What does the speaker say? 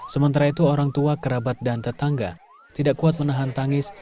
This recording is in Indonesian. sementara itu orang tua kerabat dan tetangga tidak kuat menahan tangis